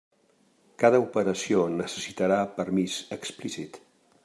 Cada operació necessitarà permís explícit.